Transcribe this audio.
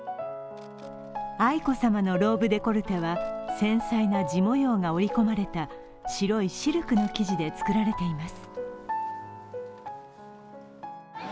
愛子さまのローブデコルテは繊細な地模様が織り込まれた白いシルクの生地で作られています。